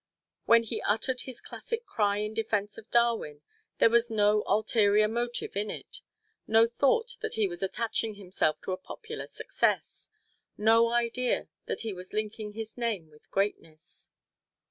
When he uttered his classic cry in defense of Darwin, there was no ulterior motive in it; no thought that he was attaching himself to a popular success; no idea that he was linking his name with greatness.